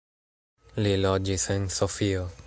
Li loĝis en Sofio.